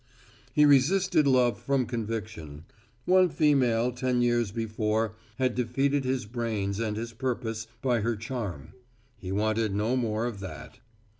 He resisted love from conviction. One female ten years before had defeated his brains and his purpose by her charm. He wanted no more of that.